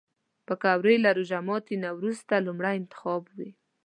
پکورې له روژه ماتي نه وروسته لومړی انتخاب وي